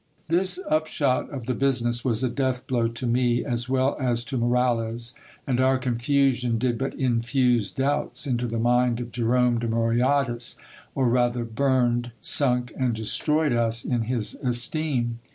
This upshot of the business was a death blow to me, as well as to Moralez ; and our confusion did but infuse doubts into the mind of Jerome de Moyadas, or rather burned, sunk, and destroyed us in his esteem.